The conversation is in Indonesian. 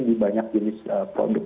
di banyak jenis produk